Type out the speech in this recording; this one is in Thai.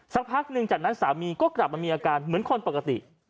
สักพักหนึ่งจากนั้นสามีก็กลับมามีอาการเหมือนคนปกติ